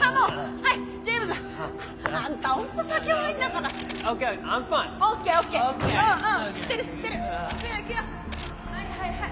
はいはいはい。